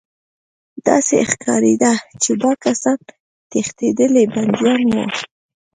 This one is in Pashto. داسې ښکارېده چې دا کسان تښتېدلي بندیان وو